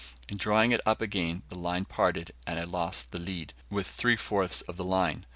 In drawing it up again the line parted, and I lost the lead, with three fourths of the line.